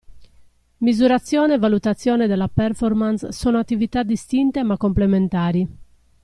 Misurazione e valutazione della performance sono attività distinte ma complementari.